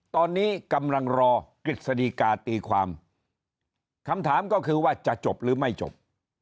ตอนนี้กำลังรอกฤษฎีกาตีความคำถามก็คือว่าจะจบหรือไม่จบ